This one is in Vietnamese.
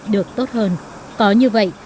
được tốt hơn có như vậy